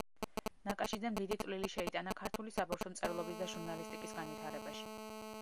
ნაკაშიძემ დიდი წვლილი შეიტანა ქართული საბავშვო მწერლობის და ჟურნალისტიკის განვითარებაში.